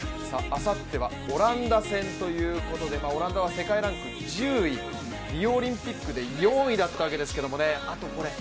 あさってはオランダ戦ということでオランダは世界ランク１０位、リオオリンピックで４位だったわけですけどね。